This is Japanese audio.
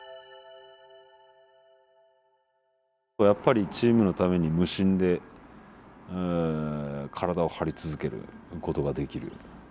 やっぱりチームのために無心で体を張り続けることができる。